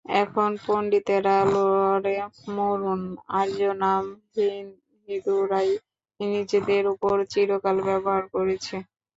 এখন পণ্ডিতেরা লড়ে মরুন! আর্য নাম হিঁদুরাই নিজেদের উপর চিরকাল ব্যবহার করেছে।